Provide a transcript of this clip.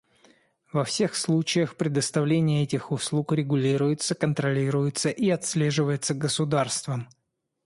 Во всех случаях, предоставление этих услуг регулируется, контролируется и отслеживается государством.